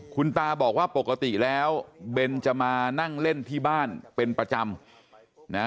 คุณตาบอกว่าปกติแล้วเบนจะมานั่งเล่นที่บ้านเป็นประจำนะ